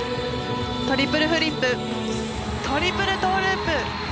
トリプルフリップトリプルトウループ。